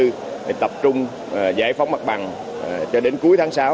các chủ đầu tư tập trung giải phóng mặt bằng cho đến cuối tháng sáu